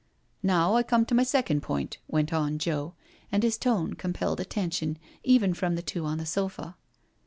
" Now I come to my second point," went on Joe, and his tone compelled attention even from the two on the sofa.